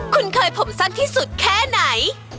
คุณเคยผมสั้นที่สุดแค่ไหน